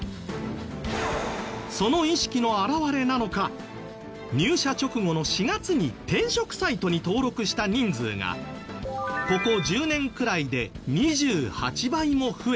その意識の表れなのか入社直後の４月に転職サイトに登録した人数がここ１０年くらいで２８倍も増えているんです。